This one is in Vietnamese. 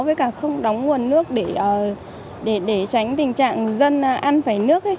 với cả không đóng nguồn nước để tránh tình trạng dân ăn phải nước